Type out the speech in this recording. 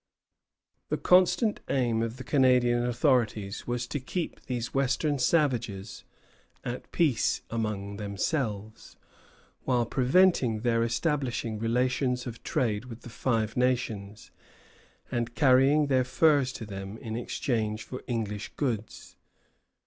The constant aim of the Canadian authorities was to keep these western savages at peace among themselves, while preventing their establishing relations of trade with the Five Nations, and carrying their furs to them in exchange for English goods.